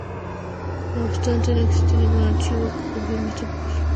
No obstante, no existe ningún archivo que confirme esta presumida deficiencia.